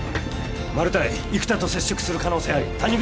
マルタイ生田と接触する可能性あり谷口